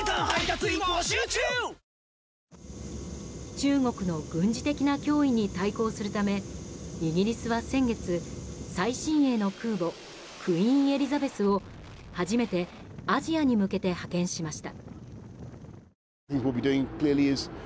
中国の軍事的な脅威に対抗するためイギリスは先月最新鋭の空母「クイーン・エリザベス」を初めてアジアに向けて派遣しました。